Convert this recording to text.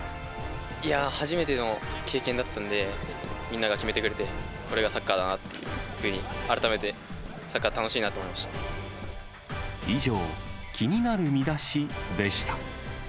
いやー、初めての経験だったので、みんなが決めてくれて、これがサッカーだなっていうふうに、改めて、サッカー楽しいなと以上、気になるミダシでした。